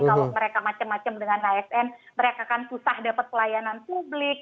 kalau mereka macem macem dengan asn mereka akan susah dapat pelayanan publik